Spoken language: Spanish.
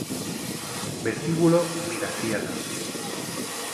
Vestíbulo Mirasierra